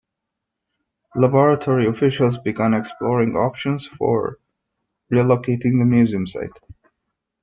Laboratory officials began exploring options for relocating the Museum site.